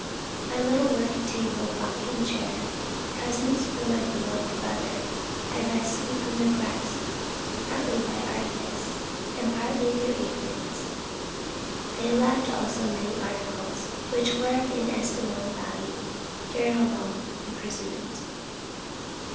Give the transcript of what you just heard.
My little work table and rocking chair, presents from my beloved brother, I rescued from their grasp, partly by artifice, and partly through their ignorance. They left also many articles which were of inestimable value during our long imprisonment."